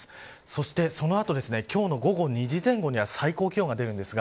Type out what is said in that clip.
そして、その後今日の午後２時前後には最高気温が出ます。